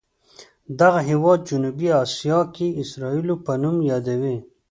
دغه هېواد جنوبي اسیا کې اسرائیلو په نوم یادوي.